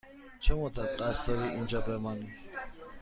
چه مدت قصد داری اینجا بمانی؟